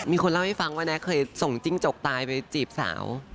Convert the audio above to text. มีคนเล่าให้ฟังว่าแน็กเคยส่งจิ้งจกตายไปจีบสาว